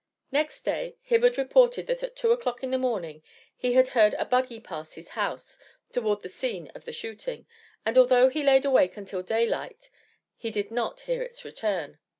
Next day Hibbard reported that at 2 o'clock in the morning he had heard a buggy pass his house toward the scene of the shooting, and, although he laid awake until daylight, did not hear it return.